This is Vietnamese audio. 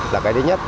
là cái thứ nhất